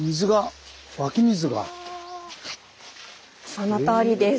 そのとおりです。